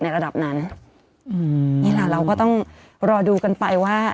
ระดับนั้นอืมนี่แหละเราก็ต้องรอดูกันไปว่า